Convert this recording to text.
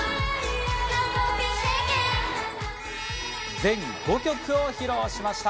全５曲を披露しました。